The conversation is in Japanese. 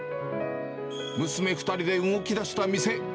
娘２人で動きだした店。